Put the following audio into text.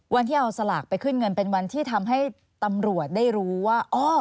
วันที่เอาสลากไปขึ้นเงินเป็นวันที่ทำให้ตำรวจได้รู้ว่า